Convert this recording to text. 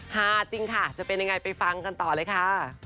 ฮาจริงค่ะจะเป็นยังไงไปฟังกันต่อเลยค่ะ